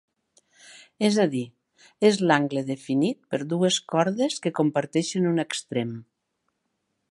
És a dir, és l'angle definit per dues cordes que comparteixen un extrem.